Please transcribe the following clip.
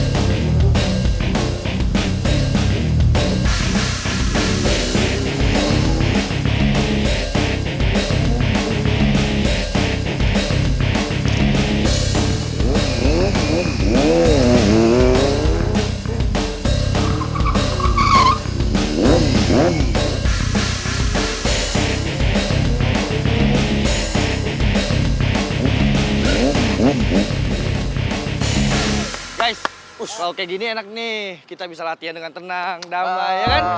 guys kalau kayak gini enak nih kita bisa latihan dengan tenang damai ya kan